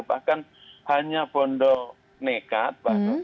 bahkan hanya pondok nekat